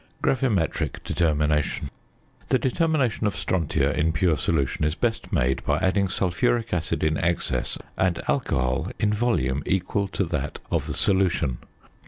GRAVIMETRIC DETERMINATION. The determination of strontia in pure solutions is best made by adding sulphuric acid in excess and alcohol in volume equal to that of the solution.